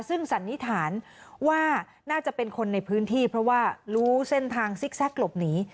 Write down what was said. ซึ่งสันนิษฐานว่าน่าจะเป็นคนในพื้นที่เพราะว่ารู้เส้นทางซิกแก๊กหลบหนี